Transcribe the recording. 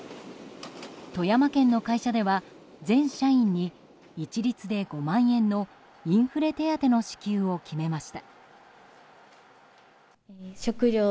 富山県の会社では全社員に一律で５万円のインフレ手当の支給を決めました。